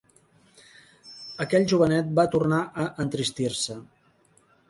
Aquell jovenet va tornar a entristir-se.